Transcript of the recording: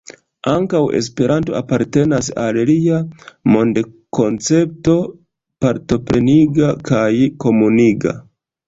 Ankaŭ Esperanto apartenas al lia mondkoncepto partopreniga kaj komuniga.